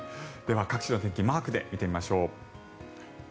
各地の天気マークで見てみましょう。